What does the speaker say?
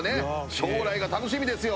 将来が楽しみですよ